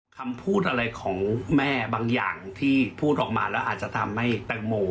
คำพูดอะไรของแม่บางอย่างที่พูดออกมาแล้วอาจจะทำให้แตงโม